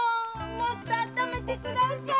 もっと温めてください！